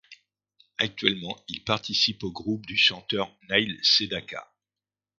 Actuellement, il participe au groupe du chanteur Neil Sedaka.